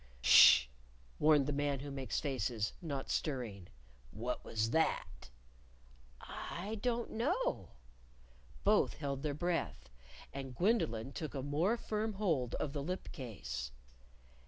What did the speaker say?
_ "Sh!" warned the Man Who Makes Faces, not stirring. "What was that!" "I don't know." Both held their breath. And Gwendolyn took a more firm hold of the lip case.